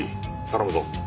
頼むぞ。